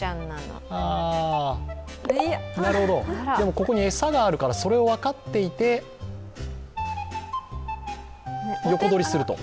なるほど、でもここに餌があるからそれを分かっていて横取りすると。